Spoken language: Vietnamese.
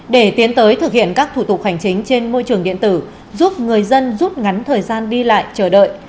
để tiến tới thực hiện các thủ tục hành chính trên môi trường điện tử giúp người dân rút ngắn thời gian đi lại chờ đợi